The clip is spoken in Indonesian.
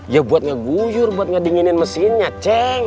ya buat ngeguyur buat ngedinginin mesinnya ceng